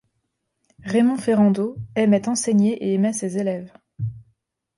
Raymond Ferrando aimait enseigner et aimait ses élèves.